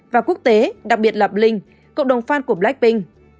và quốc tế đặc biệt là blink cộng đồng fan của blackpink